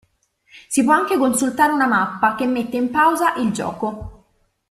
Si può anche consultare una mappa che mette in pausa il gioco.